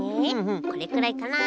これくらいかな？